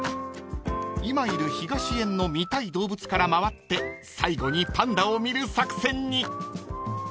［今いる東園の見たい動物から回って最後にパンダを見る作戦に］